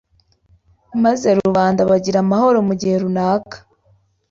maze rubanda bagira amahoro mu gihe runaka